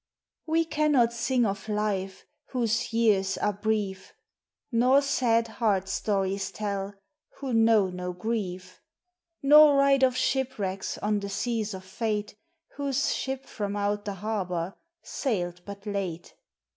_WE cannot sing of life, whose years are brief, Nor sad heart stories tell, who know no grief, Nor write of shipwrecks on the seas of Fate, Whose ship from out the harbor sailed but late.